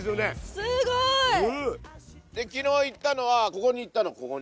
すごい！で昨日行ったのはここに行ったのここに。